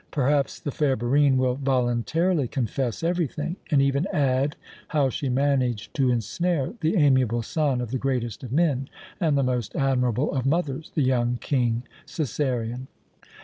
Perhaps the fair Barine will voluntarily confess everything, and even add how she managed to ensnare the amiable son of the greatest of men, and the most admirable of mothers, the young King Cæsarion."